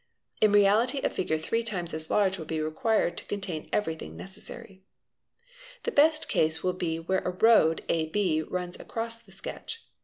In reality a figure three times as large would be required to contain everything necessary. The best case will be where a road @ 6 runs across the sketch.